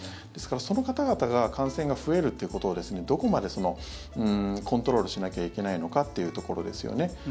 ですから、その方々が感染が増えるっていうことをどこまでコントロールしなきゃいけないのかっていうところですよね。